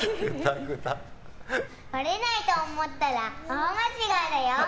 バレないと思ったら大間違いだよ！